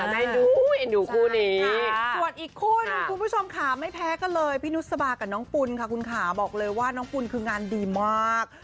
เป็นดูแล้วคุณคุณผู้ชมขาไม่แพ้ก็เลยพินุศบากับนองปุ่นค่ะคุณขาบอกเลยว่านอกพูดคือการดีมาก